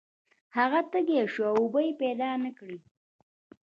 هغه تږی شو او اوبه یې پیدا نه کړې.